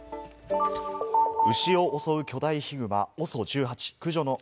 牛を襲う巨大ヒグマ・ＯＳＯ１８。